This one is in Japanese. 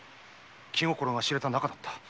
気心が知れた仲だった。